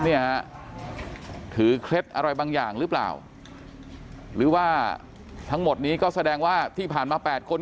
เนี่ยฮะถือเคล็ดอะไรบางอย่างหรือเปล่าหรือว่าทั้งหมดนี้ก็แสดงว่าที่ผ่านมา๘คน